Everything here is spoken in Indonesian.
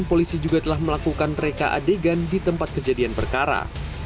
polisi juga telah melakukan reka adegan di tempat kejadian perkara